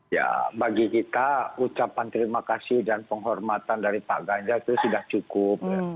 ya bagi kita ucapan terima kasih dan penghormatan dari pak ganjar itu sudah cukup